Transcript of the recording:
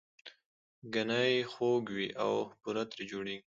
ګنی خوږ وي او بوره ترې جوړیږي